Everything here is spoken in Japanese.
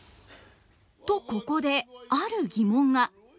とここである疑問が。